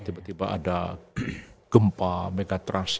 tiba tiba ada gempa megatrust